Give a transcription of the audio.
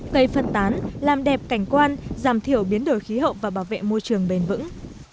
cây phân tán làm đẹp cảnh quan giảm thiểu biến đổi khí hậu và bảo vệ môi trường bền vững